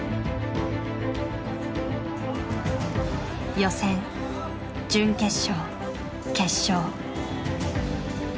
予選準決勝決勝。